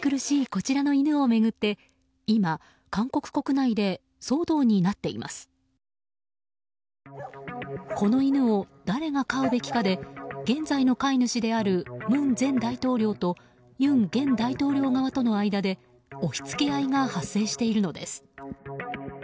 この犬を、誰が飼うべきかで現在の飼い主である文前大統領と尹現大統領側との間で押し付け合いが発生しているのです。